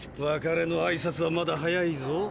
別れのあいさつはまだ早いぞ。